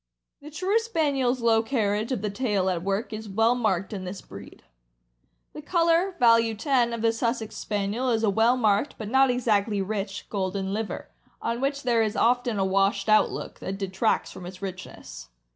The true Spaniel's low carriage of the tail at work is well marked in this breed. The color (value 10) of the Sussex Spaniel is a well marked, but not exactly rich, golden liver, on which there is often a washed out look that detracts from its richness.